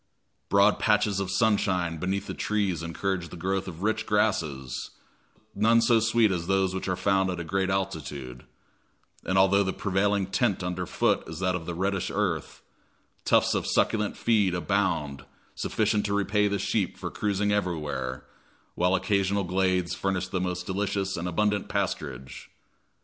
Broad patches of sunshine beneath the trees encourage the growth of rich grasses, none so sweet as those which are found at a great altitude; and, although the prevailing tint under foot is that of the reddish earth, tufts of succulent feed abound sufficient to repay the sheep for cruising everywhere, while occasional glades furnish the most delicious and abundant pasturage.